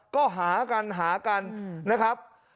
ก็หากันหากันนะครับ